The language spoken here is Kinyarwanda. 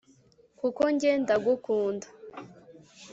kuko njye ndagukunda